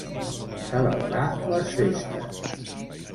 Celebrar les festes.